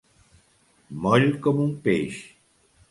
Moll com un peix.